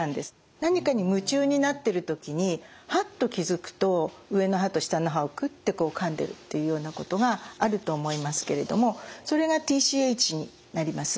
何かに夢中になってる時にはっと気付くと上の歯と下の歯をくってこうかんでるっていうようなことがあると思いますけれどもそれがＴＣＨになります。